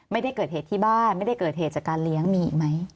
ไม่ได้เกิดเหตุที่บ้านไม่ได้เกิดเหตุจากการเลี้ยงมีอีกไหม